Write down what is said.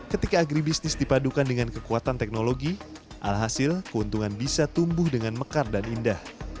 ketika agribisnis dipadukan dengan kekuatan teknologi alhasil keuntungan bisa tumbuh dengan mekar dan indah